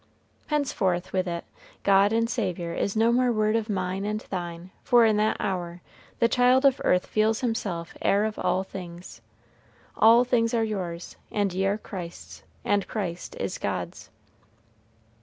Henceforth, with it, God and Saviour is no more word of mine and thine, for in that hour the child of earth feels himself heir of all things: "All things are yours, and ye are Christ's, and Christ is God's."